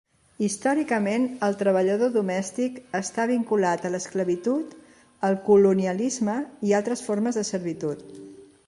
Històricament el treballador domèstic està vinculat a l'esclavitud, el colonialisme i altres formes de servitud.